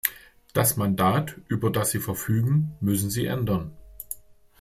Das Mandat, über das Sie verfügen, müssen Sie ändern.